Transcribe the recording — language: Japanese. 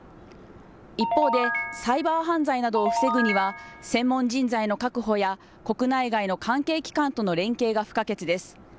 一方でサイバー犯罪などを防ぐには専門人材の確保や国内外の関係機関との連携が不可欠です。